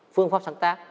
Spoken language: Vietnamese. phương pháp sáng tác